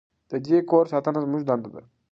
د دې کور ساتنه زموږ دنده ده.